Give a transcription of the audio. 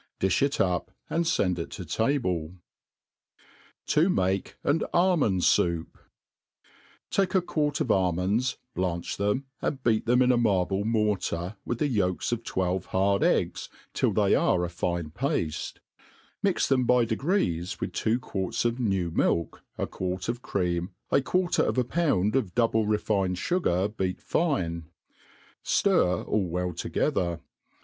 Di(h it up| and, fend it to v table. To njkaU on MtttQnd Soup^ TAKE a quart of almonds, blanch them, and beat them in a marble mortar, with the yolks of twelve hard eggs, till they are a fine pafte ; mix them by degrees with two quarts of new milk, a quart of cream, a quarter of a pound of double* jcefincd fugar, beat fine; ftir all Well together.